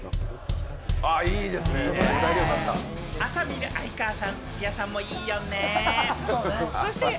朝見る相川さん、土屋さんもいいよね。